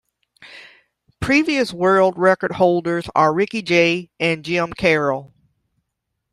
Previous world record holders are Ricky Jay and Jim Karol.